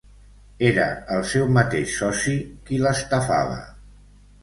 Era el seu mateix soci qui l'estafava.